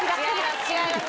違います